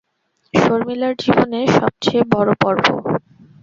শর্মিলার জীবনে সব চেয়ে বড়ো পরব।